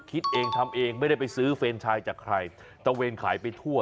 คิดเองทำเองไม่ได้ไปซื้อเฟรนชายจากใครตะเวนขายไปทั่ว